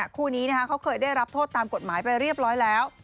คู่นี้เขาเคยได้รับโทษตามกฎหมายไปเรียบร้อยแล้ว